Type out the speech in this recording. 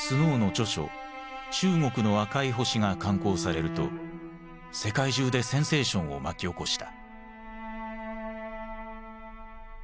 「中国の赤い星」が刊行されると世界中でセンセーションを巻き起こした。